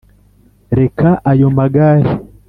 reka ayo magare